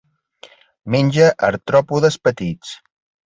Menja artròpodes petits.